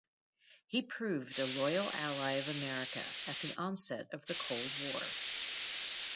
He proved a loyal ally of America at the onset of the cold war.